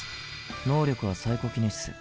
能力はサイコキネシス。